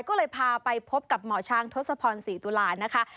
ก็เลยพาไปพบกับหมอช้างทศพรศรีตุลานะคะ